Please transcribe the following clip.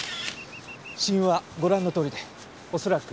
死因はご覧のとおりで恐らく絞殺。